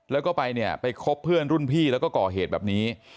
แล้วก็ไปเนี่ยไปคบเพื่อนรุ่นพี่แล้วก็ก่อเหตุแบบนี้